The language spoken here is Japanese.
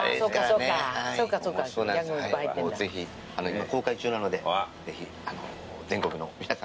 今公開中なのでぜひ全国の皆さん